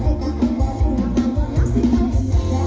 เวลาที่สุดท้าย